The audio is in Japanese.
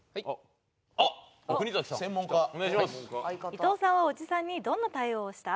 伊藤さんはおじさんにどんな対応をした？